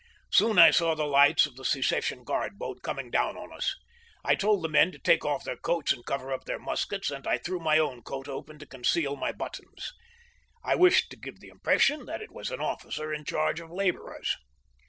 Soon I saw the lights of the secession guard boat coming down on us. I told the men to take off their coats and cover up their muskets, and I threw my own coat open to conceal my buttons. I wished to give the impression that it was an officer in charge of laborers.